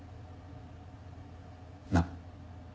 なっ？